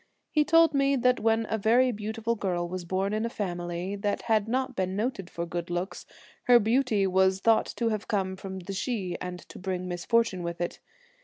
He told me that when a very beautiful girl was born in a family that had not been noted for good looks, her beauty was thought to have come from the Sidhe, and to bring misfor tune with it.